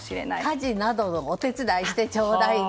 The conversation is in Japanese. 家事などのお手伝いしてちょうだいね。